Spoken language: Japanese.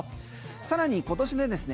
更に、今年でですね